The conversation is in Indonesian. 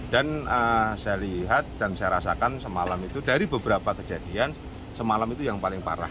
saya lihat dan saya rasakan semalam itu dari beberapa kejadian semalam itu yang paling parah